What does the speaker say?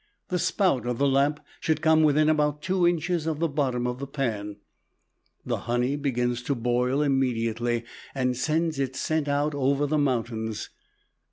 The spout of the lamp should come within about two inches of the bottom of the pan. The honey begins to boil immediately and sends its scent out over the mountains.